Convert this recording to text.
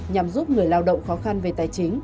nhằm giúp người lao động khó khăn về tài chính